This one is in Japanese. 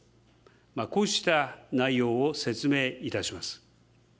こうした内容を説明いたします。